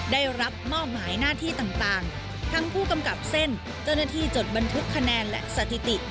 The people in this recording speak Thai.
ได้รับมอบหมายหน้าที่ต่างทั้งผู้กำกับเส้นเจ้าหน้าที่จดบันทึกคะแนนและสถิติ